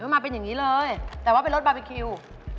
มาเป็นอย่างนี้เลยแต่ว่าเป็นรถบาร์บีคิว